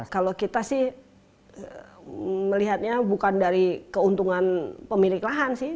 kalau kita sih melihatnya bukan dari keuntungan pemilik lahan sih